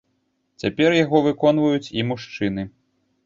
Цяпер яго выконваюць і мужчыны.